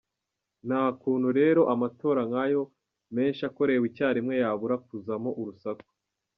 Nta kuntu rero amatora nk’ayo menshi akorewe icyarimwe yabura kuzamo urusaku !